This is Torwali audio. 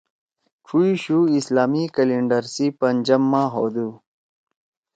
ڇُوئی شُو اسلامی کیلنڈر سی پنجم ماہ ہودُو۔